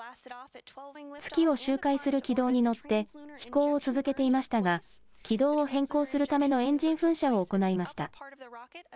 月を周回する軌道に乗って飛行を続けていましたが、軌道を変更するためのエンジン噴射を行いました。